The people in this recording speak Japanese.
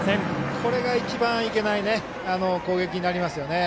これが一番いけない攻撃になりますよね。